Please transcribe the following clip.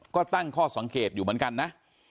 ก็ตั้งข้อสังเกตอยู่เหมือนกันนะ